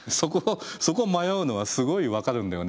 そこを迷うのはすごい分かるんだよね。